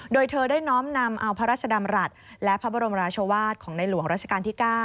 โดยเธอได้น้อมนำเอาพระราชดำรัฐและพระบรมราชวาสของในหลวงราชการที่๙